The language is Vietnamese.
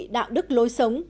đạo đức lối sống